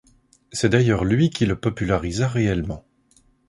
C'est d'ailleurs lui qui le popularisa réellement.